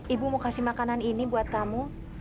ibu mau kasih makanan ini buat kamu